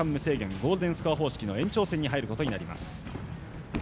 ゴールデンスコア方式延長戦に入ることになります。